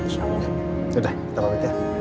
sudah kita balik ya